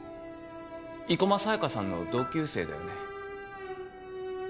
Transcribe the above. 生駒沙耶香さんの同級生だよね。